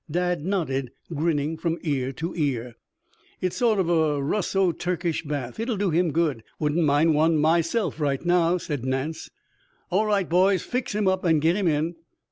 Dad nodded, grinning from ear to ear. "It's a sort of Russo Turkish bath. It'll do him good. Wouldn't mind one myself right now," said Nance. "All right, boys, fix him up and get him in."